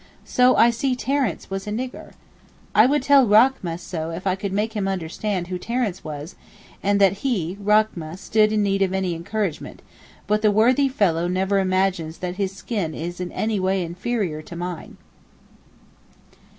So I see Terence was a nigger! I would tell Rachmeh so if I could make him understand who Terence was, and that he, Rachmeh, stood in need of any encouragement, but the worthy fellow never imagines that his skin is in any way inferior to mine.